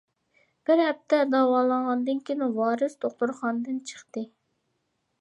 بىر ھەپتە داۋالانغاندىن كىيىن، ۋارس دوختۇرخانىدىن چىقتى.